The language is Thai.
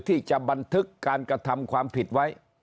ที่จะบันทึกการกระทำความผิดไว้